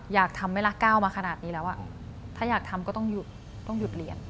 อยากทำให้ละก้าวมาขนาดนี้แล้วถ้าอยากทำก็ต้องหยุดต้องหยุดเรียน